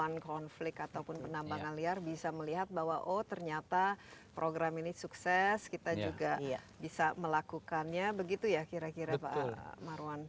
karena konflik ataupun penambangan liar bisa melihat bahwa oh ternyata program ini sukses kita juga bisa melakukannya begitu ya kira kira pak marwan